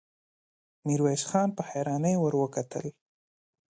ميرويس خان په حيرانۍ ور وکتل.